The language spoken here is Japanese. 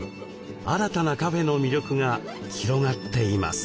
新たなカフェの魅力が広がっています。